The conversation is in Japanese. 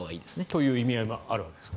そういう意味合いもあるんですか？